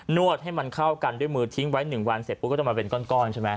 วดให้มันเข้ากันด้วยมือทิ้งไว้๑วันเสร็จปุ๊บก็จะมาเป็นก้อนใช่ไหม